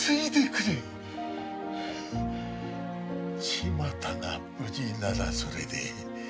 千万太が無事ならそれでいい。